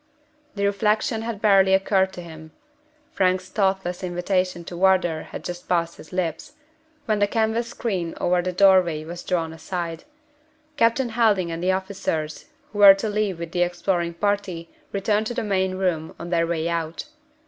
The reflection had barely occurred to him Frank's thoughtless invitation to Wardour had just passed his lips when the canvas screen over the doorway was drawn aside. Captain Helding and the officers who were to leave with the exploring party returned to the main room on their way out.